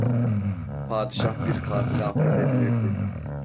Padişah bir katili affedebilirdi.